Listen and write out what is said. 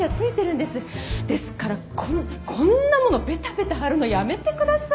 ですからここんなものをベタベタ貼るのやめてください。